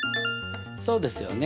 そうですよね。